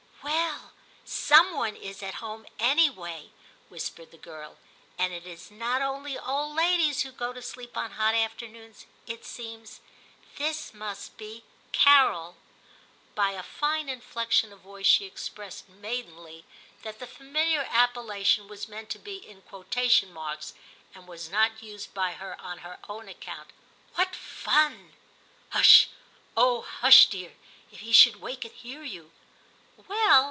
'Well. Some one is at home anyway,' whispered the girl, 'and it is not only old ladies who go to sleep on hot afternoons, it seems : this must be " Carol." ' (By a fine inflection of voice she expressed, maidenly, I70 TIM CHAP. that the familiar appellation was meant to be in quotation marks, and was not used by her on her own account.) * What fun !'* Hush, oh ! hush, dear ; if he should wake and hear you !'' Well